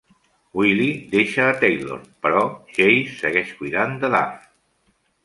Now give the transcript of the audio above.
Wylie deixa a Taylor, però Jase segueix cuidant de Duff.